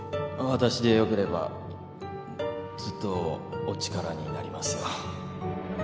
私でよければずっとお力になりますよ